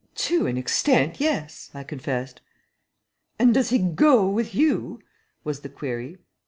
"To an extent, yes," I confessed. "And does he GO with you?" was the query.